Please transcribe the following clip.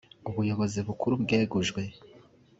ubuyobozi bukuru bwegujwe